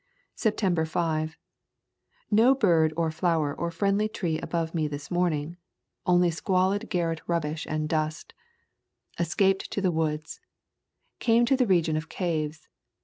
September 5. No bird or flower or friendly tree above me this morning; only squalid garret Kentucky Forests and Caves rubbish and dust. Escaped to the woods. Came to the region of caves.